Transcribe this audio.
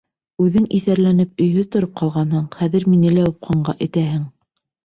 Үҙең иҫәрләнеп өйһөҙ тороп ҡалғанһың, хәҙер мине лә упҡынға этәһең.